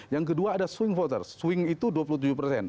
yang kedua ada swing voters swing itu dua puluh tujuh persen